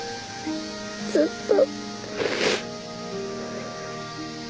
ずっと。